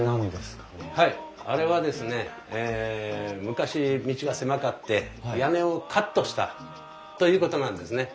昔道が狭かって屋根をカットしたということなんですね。